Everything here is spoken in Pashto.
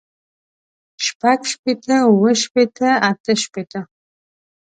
شپږ شپېته اووه شپېته اتۀ شپېته